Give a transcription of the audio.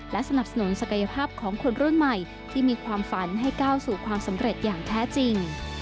และสนับสนุนศักยภาพของคนรุ่นใหม่ที่มีความฝันให้ก้าวสู่ความสำเร็จอย่างแท้จริง